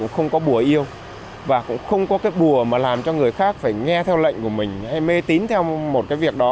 không có bùa yêu và cũng không có cái bùa mà làm cho người khác phải nghe theo lệnh của mình hay mê tín theo một cái việc đó